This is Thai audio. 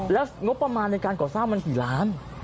แล้วงบประมาณในการก่อสร้างมันกี่ล้าน